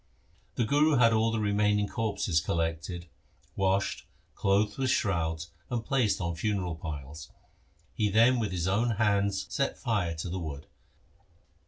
The Guru had all the remaining corpses collected, washed, clothed with shrouds, and placed on funeral piles. He then with his own hands set fire to the wood.